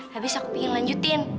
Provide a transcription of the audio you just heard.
habis aku pengen lanjutin